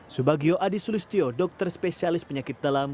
subagio adi sulistyo dokter spesialis penyakit dalam